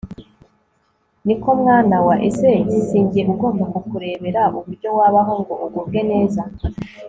ni ko mwana wa, ese si jye ugomba kukurebera uburyo wabaho ngo ugubwe neza